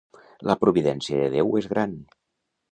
La providència de Déu és gran.